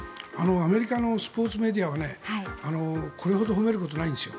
アメリカのスポーツメディアはこれほど褒めることないんですよ。